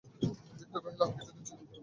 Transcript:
বৃদ্ধ কহিল, হাঁ, কিছুদিন ছিলেন তো বটে।